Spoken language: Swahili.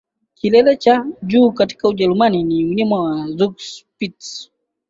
Kilele cha juu katika Ujerumani ni mlima wa Zugspitze